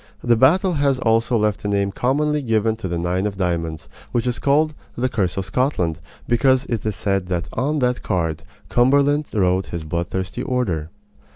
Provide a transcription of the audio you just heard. The battle has also left a name commonly given to the nine of diamonds, which is called "the curse of Scotland," because it is said that on that card Cumberland wrote his bloodthirsty order.